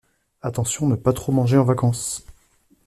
Attention à ne pas trop manger en vacances.